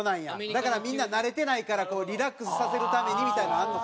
だからみんな慣れてないからリラックスさせるためにみたいなのあるのかな？